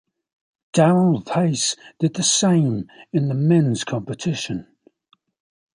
Darrell Pace did the same in the men's competition.